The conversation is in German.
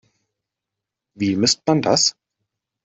Wie misst man das?